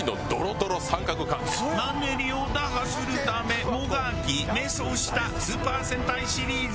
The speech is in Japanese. マンネリを打破するためもがき迷走したスーパー戦隊シリーズ。